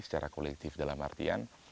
secara kolektif dalam artian